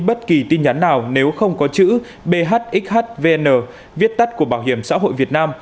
bất kỳ tin nhắn nào nếu không có chữ bhxhvn viết tắt của bảo hiểm xã hội việt nam